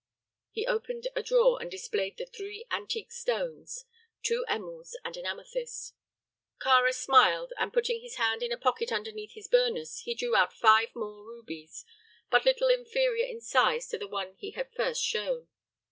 He opened a drawer and displayed the three antique stones two emeralds and an amethyst. Kāra smiled, and putting his hand in a pocket underneath his burnous, he drew out five more rubies, but little inferior in size to the one he had first shown.